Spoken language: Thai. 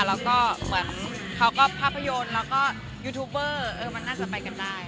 แล้วก็เหมือนเขาก็ภาพยนตร์แล้วก็ยูทูบเบอร์มันน่าจะไปกันได้